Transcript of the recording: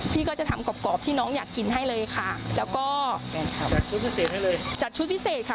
พี่ก็จะทำกรอบที่น้องอยากกินให้เลยค่ะแล้วก็จัดชุดพิเศษค่ะ